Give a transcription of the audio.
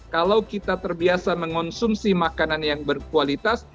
kalau kita terbiasa mengonsumsi makanan yang berkualitas